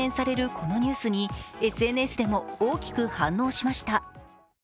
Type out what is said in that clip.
このニュースにＳＮＳでも大きく反応しました。